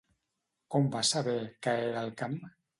Com vas saber que era el camp?